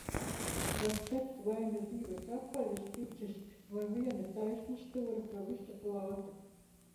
Var cept vai nu divas apaļas picas, vai vienu taisnstūra pa visu plāti.